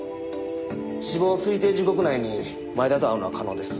死亡推定時刻内に前田と会うのは可能です。